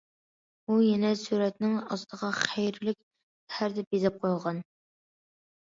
ئۇ يەنە سۈرەتنىڭ ئاستىغا خەيرلىك سەھەر دەپ يېزىپ قويغان.